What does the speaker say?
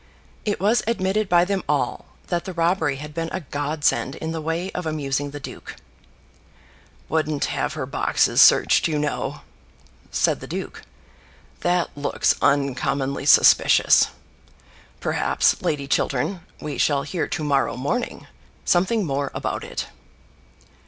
It was admitted by them all that the robbery had been a godsend in the way of amusing the duke. "Wouldn't have her boxes searched, you know," said the duke; "that looks uncommonly suspicious. Perhaps, Lady Chiltern, we shall hear to morrow morning something more about it."